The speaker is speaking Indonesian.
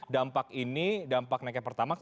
dampak ini dampak naiknya pertama